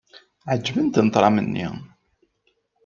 Ɛejbent-ten tram-nni.